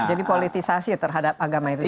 jadi politisasi terhadap agama itu sendiri